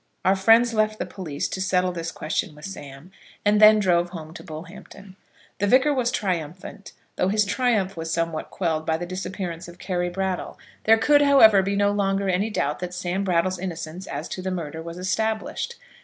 Our friends left the police to settle this question with Sam, and then drove home to Bullhampton. The Vicar was triumphant, though his triumph was somewhat quelled by the disappearance of Carry Brattle. There could, however, be no longer any doubt that Sam Brattle's innocence as to the murder was established.